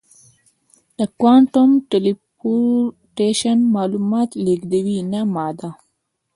د کوانټم ټیلیپورټیشن معلومات لېږدوي نه ماده.